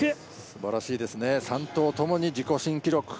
すばらしいですね、３投とともに、自己新記録。